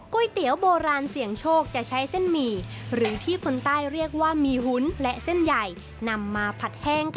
เตี๋ยวโบราณเสี่ยงโชคจะใช้เส้นหมี่หรือที่คนใต้เรียกว่ามีหุ่นและเส้นใหญ่นำมาผัดแห้ง